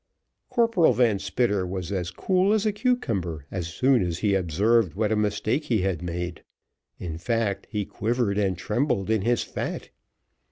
Corporal Van Spitter was as cool as a cucumber as soon as he observed what a mistake he had made; in fact, he quivered and trembled in his fat.